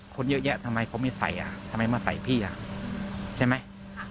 คนเยอะแยะทำไมเขาไม่ใส่อ่ะทำไมมาใส่พี่ใช่ไหม